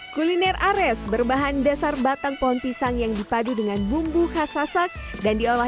kuliner ares berbahan dasar batang pohon pisang yang dipadu dengan bumbu khas sasak dan diolah